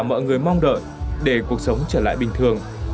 mọi người mong đợi để cuộc sống trở lại bình thường